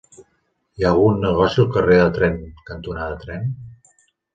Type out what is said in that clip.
Hi ha algun negoci al carrer Tren cantonada Tren?